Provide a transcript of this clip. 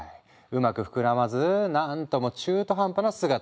うまく膨らまず何とも中途半端な姿に。